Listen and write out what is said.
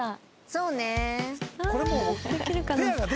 そうね。